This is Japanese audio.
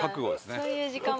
そういう時間も。